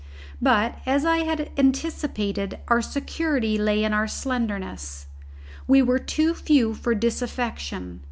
But, as I had anticipated, our security lay in our slenderness. We were too few for disaffection.